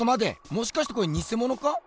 もしかしてこれニセモノか？